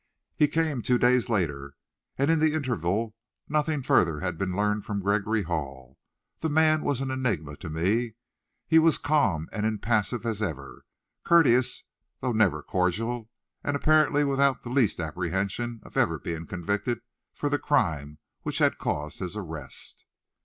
He came two days later, and in the interval nothing further had been learned from Gregory Hall. The man was an enigma to me. He was calm and impassive as ever. Courteous, though never cordial, and apparently without the least apprehension of ever being convicted for the crime which had caused his arrest.